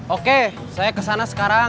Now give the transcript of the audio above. oke saya kesana sekarang